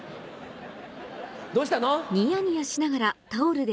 どうしたの？